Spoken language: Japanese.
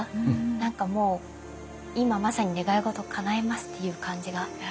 何かもう今まさに願い事かなえますっていう感じが。